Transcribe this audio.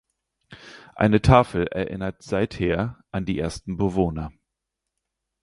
Eine Tafel erinnert seither an die ersten Bewohner.